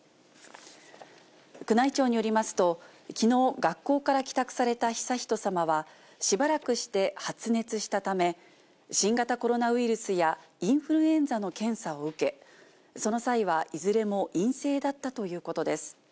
宮内庁によりますと、きのう学校から帰宅された悠仁さまは、しばらくして発熱したため、新型コロナウイルスやインフルエンザの検査を受け、その際はいずれも陰性だったということです。